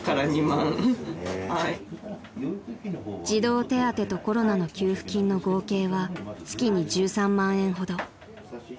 ［児童手当とコロナの給付金の合計は月に１３万円ほど］